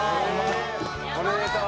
おめでとう。